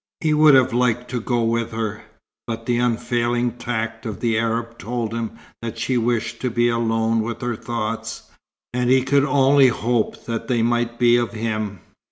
He would have liked to go with her, but the unfailing tact of the Arab told him that she wished to be alone with her thoughts, and he could only hope that they might be of him.